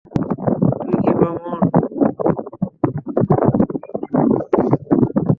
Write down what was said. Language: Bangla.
তুই কি ব্রাহ্মণ্য?